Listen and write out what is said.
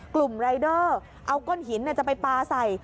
กลุ่มรายเดอร์เอาก้นหินจะไปปลาใส่